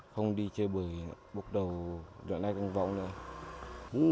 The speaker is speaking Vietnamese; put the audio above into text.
không đi chơi bời bốc đầu rượu lách đánh võng